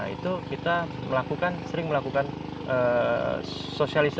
itu kita melakukan sering melakukan sosialisasi